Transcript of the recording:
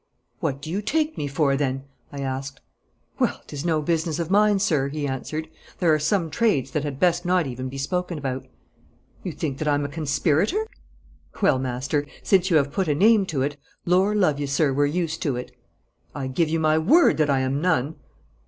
'What do you take me for, then?' I asked. 'Well, 'tis no business of mine, sir,' he answered. 'There are some trades that had best not even be spoken about.' 'You think that I am a conspirator?' 'Well, master, since you have put a name to it. Lor' love you, sir, we're used to it.' 'I give you my word that I am none.'